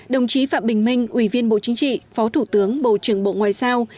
đồng chí phạm bình minh ủy viên bộ chính trị phó thủ tướng bộ trưởng bộ ngoại giao